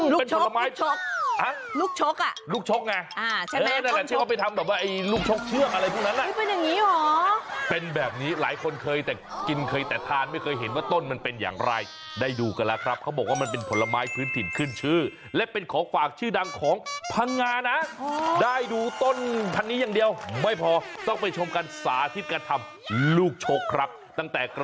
ลูกชกลูกชกลูกชกลูกชกลูกชกลูกชกลูกชกลูกชกลูกชกลูกชกลูกชกลูกชกลูกชกลูกชกลูกชกลูกชกลูกชกลูกชกลูกชกลูกชกลูกชกลูกชกลูกชกลูกชกลูกชกลูกชกลูกชกลูกชกลูกชกลูกชกลูกชกลูกชกลูกชกลูกชกลูกชกลูกชกลูกชกล